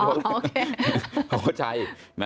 เขาก็ใช่